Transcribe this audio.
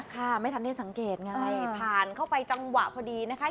ค่ะไม่ทันได้สังเกตไงผ่านเข้าไปจังหวะพอดีนะคะ